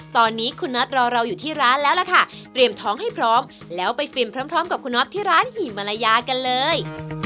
ตอนนี้คุณน็อตรอเราอยู่ที่ร้านแล้วล่ะค่ะเตรียมท้องให้พร้อมแล้วไปฟินพร้อมกับคุณน็อตที่ร้านหิมะละยากันเลย